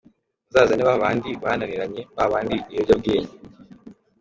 Muzazane ba bandi bananiranye, ba bandi ibiyobyabwenge